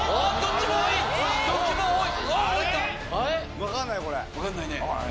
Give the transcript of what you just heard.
分かんないね。